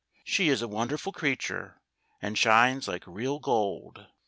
She is a wonderful creature and shines like real gold."